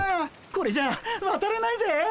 これじゃわたれないぜ！